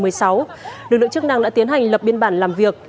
lực lượng chức năng đã tiến hành lập biên bản làm việc